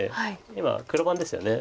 今黒番ですよね。